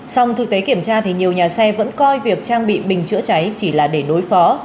xong thực tế kiểm tra thì nhiều nhà xe vẫn coi việc trang bị bình chữa cháy chỉ là để đối phó